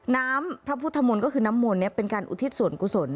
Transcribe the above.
น้ำพระพุทธมนต์ก็คือน้ำมนต์เป็นการอุทิศส่วนกุศล